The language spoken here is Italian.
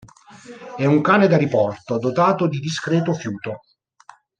È un cane da riporto dotato di discreto fiuto.